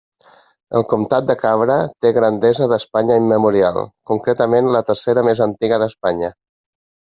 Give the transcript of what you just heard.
El Comtat de Cabra té Grandesa d'Espanya Immemorial, concretament la tercera més antiga d'Espanya.